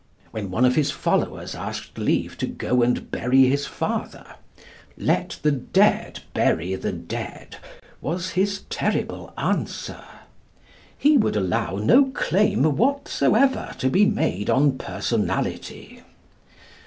When one of his followers asked leave to go and bury his father, 'Let the dead bury the dead,' was his terrible answer. He would allow no claim whatsoever to be made on personality.